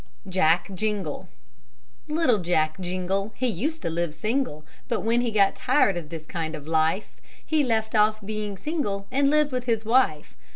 JACK JINGLE Little Jack Jingle, He used to live single; But when he got tired of this kind of life, He left off being single and lived with his wife.